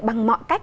bằng mọi cách